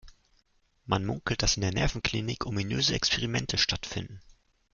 Man munkelt, dass in der Nervenklinik ominöse Experimente stattfinden.